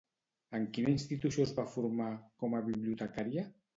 En quina institució es va formar com a bibliotecària?